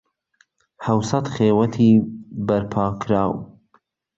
حهوسەت خێوهتی بەرپا کراو